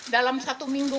dalam satu minggu